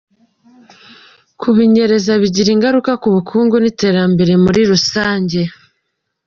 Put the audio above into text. Kubinyereza bigira ingaruka ku bukungu n’iterambere muri rusange.